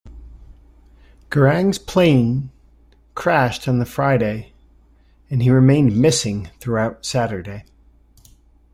Garang's plane crashed on the Friday and he remained 'missing' throughout Saturday.